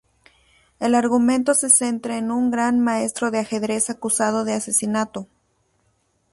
El argumento se centra en un Gran Maestro de ajedrez acusado de asesinato.